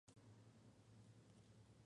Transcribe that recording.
Croix y la Isla de los Pájaros.